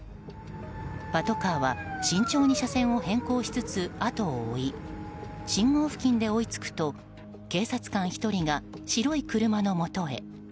パトカーは慎重に車線を変更しつつ後を追い信号付近で追いつくと警察官１人が白い車のもとへ。